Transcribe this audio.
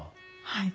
はい。